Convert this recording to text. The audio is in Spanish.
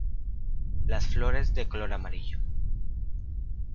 Las flores de color amarillo.